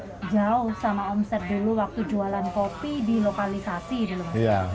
itu kan jauh sama omset dulu waktu jualan kopi di lokalisasi dulu mas